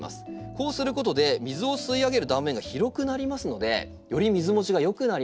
こうすることで水を吸い上げる断面が広くなりますのでより水もちが良くなります。